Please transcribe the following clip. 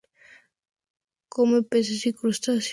Come peces y crustáceos.